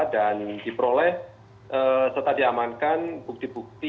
dan diperoleh serta diamankan bukti bukti